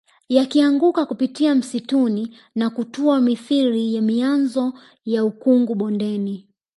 Yakianguka kupitia msituni na kutua mithili ya mianzo ya ukungu bondeni